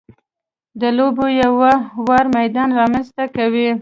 د لوبې یو ه وار میدان رامنځته کوي.